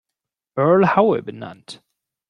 Earl Howe benannt.